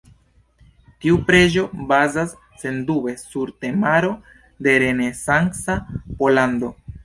Tiu preĝo bazas sendube sur temaro de renesanca Pollando.